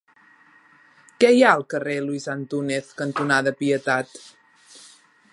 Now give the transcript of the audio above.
Què hi ha al carrer Luis Antúnez cantonada Pietat?